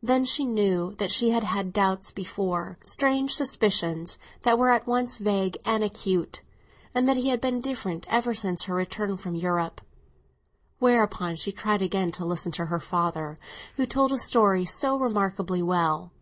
Then she knew that she had had doubts before—strange suspicions, that were at once vague and acute—and that he had been different ever since her return from Europe: whereupon she tried again to listen to her father, who told a story so remarkably well.